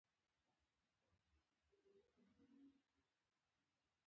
آیا دوی د مساوات لپاره کار نه کوي؟